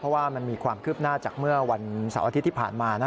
เพราะว่ามันมีความคืบหน้าจากเมื่อวันเสาร์อาทิตย์ที่ผ่านมานะ